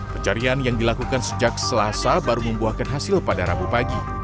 pencarian yang dilakukan sejak selasa baru membuahkan hasil pada rabu pagi